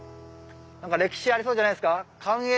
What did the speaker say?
何か歴史ありそうじゃないですか。